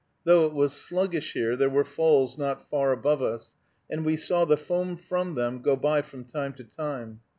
Though it was sluggish here, there were falls not far above us, and we saw the foam from them go by from time to time.